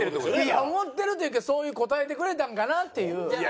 いや思ってるというかそういう答えてくれたんかなっていう。